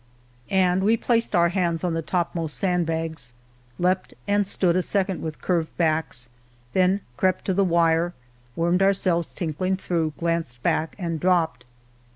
Jnd we placed Our hands on the topmoft sand bags, leapt, and Hood A second with curved hacks, then crept to the wire. Wormed ourselves tmklmgthrough, glanced back, and dropped.